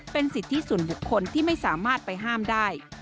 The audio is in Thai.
เป็นสิทธิส่วนบุคคลที่ไม่สามารถไปห้ามได้